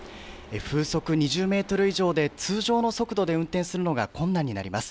風速２０メートル以上で、通常の速度で運転するのが困難になります。